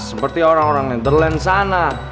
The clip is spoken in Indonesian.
seperti orang orang lenderland sana